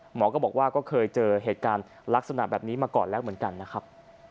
หมอก็บอกว่าก็เคยเจอเหตุการณ์ลักษณะแบบนี้มาก่อนแล้วเหมือนกันนะครับ